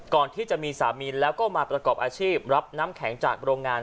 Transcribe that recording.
ก่อนที่จะมีสามีแล้วก็มาประกอบอาชีพรับน้ำแข็งจากโรงงาน